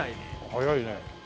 早いね。